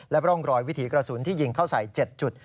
ร่องรอยวิถีกระสุนที่ยิงเข้าใส่๗จุด